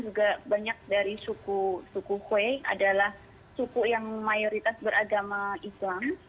juga banyak dari suku kue adalah suku yang mayoritas beragama islam